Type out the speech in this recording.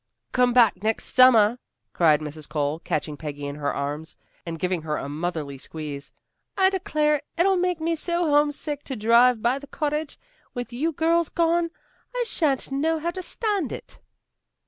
"Come back next summer," cried Mrs. Cole, catching Peggy in her arms, and giving her a motherly squeeze. "I declare it'll make me so homesick to drive by the cottage, with you girls gone, that I shan't know how to stand it."